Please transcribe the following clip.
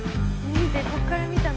見て。